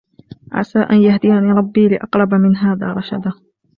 عَسَى أَن يَهْدِيَنِ رَبِّي لِأَقْرَبَ مِنْ هَذَا رَشَدًا.